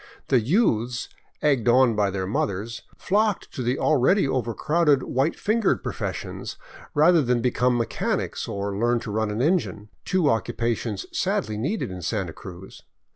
The youths, egged on by their mothers, flocked to the already overcrowded white fingered professions, rather than become mechanics or learn to run an engine, two occupations sadly needed in Santa Cruz.